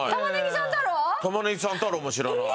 玉葱さん太郎も知らない。